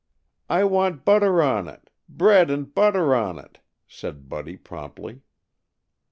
"I want butter on it. Bread, and butter on it," said Buddy promptly.